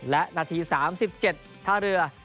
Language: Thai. และนาที๓๗ท่าเรือ